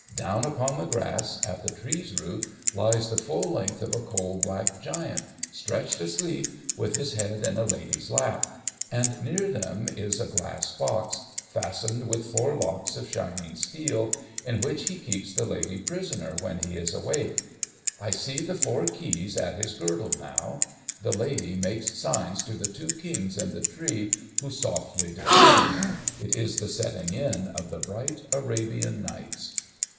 Down upon the grass, at the tree's foot, lies the full length of a coal black (jiant, stretched asleep, with his head in a lady's lap ; and near them is a glass box, fastened with four locks of shining steel, in which he keeps the lady prisoner when he is awake. I see the four keys at his girdle now. The lady makes signs to the two kings in the tree, who softly descend. It is the setting in of the bright Arabian Nights.